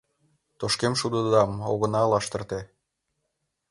Тошкем шудыдам огына лаштырте, -